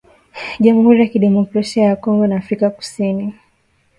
jamhuri ya kidemokrasia ya Kongo na Afrika kusini